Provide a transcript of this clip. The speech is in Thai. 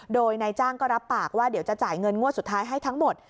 โดยนายจ้างก็รับปากว่าเดี๋ยวจะจ่ายเงินงวดสุดท้ายให้ทั้งหมด